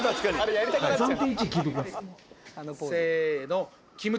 せの。